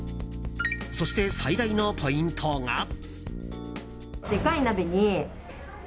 そして、最大のポイントが。